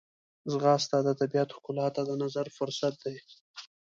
ځغاسته د طبیعت ښکلا ته د نظر فرصت دی